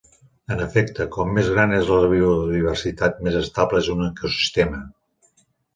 En efecte, com més gran és la biodiversitat més estable és un ecosistema.